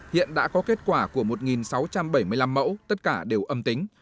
hiện đã có kết quả của một sáu trăm bảy mươi năm mẫu tất cả đều âm tính